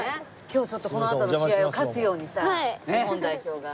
今日ちょっとこのあとの試合を勝つようにさ日本代表が。